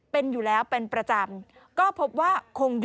เป็นอยู่แล้วเป็นประจำ